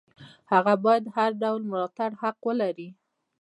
هغه باید د هر ډول ملاتړ حق ولري.